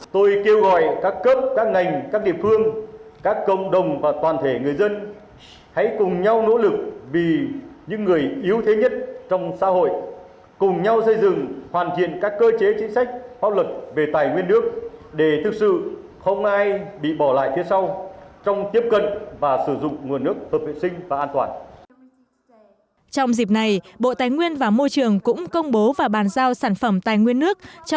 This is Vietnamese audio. trong dịp này bộ tài nguyên và môi trường cũng công bố và bàn giao sản phẩm tài nguyên nước cho